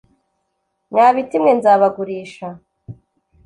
Mwa biti mwe, nzabagurisha.